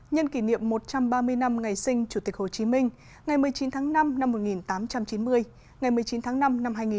nhân kỷ niệm một trăm ba mươi năm ngày sinh chủ tịch hồ chí minh ngày một mươi chín tháng năm năm một nghìn tám trăm chín mươi ngày một mươi chín tháng năm năm hai nghìn hai mươi